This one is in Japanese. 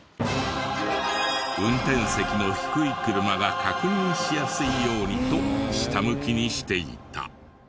運転席の低い車が確認しやすいようにと下向きにしていた。